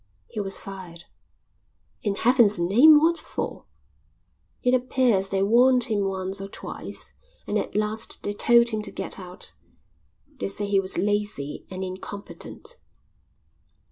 "He was fired." "In heaven's name what for?" "It appears they warned him once or twice, and at last they told him to get out. They say he was lazy and incompetent."